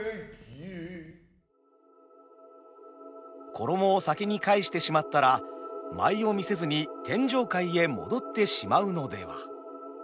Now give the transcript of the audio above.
衣を先に返してしまったら舞を見せずに天上界へ戻ってしまうのでは？